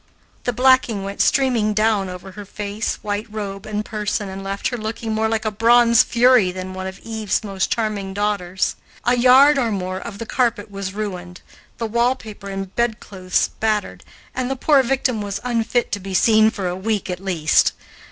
The blacking went streaming down over her face, white robe, and person, and left her looking more like a bronze fury than one of Eve's most charming daughters. A yard or more of the carpet was ruined, the wallpaper and bedclothes spattered, and the poor victim was unfit to be seen for a week at least.